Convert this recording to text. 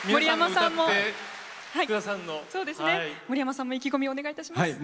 森山さんも意気込みをお願いいたします。